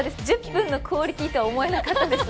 １０分のクオリティーとは思えなかったです。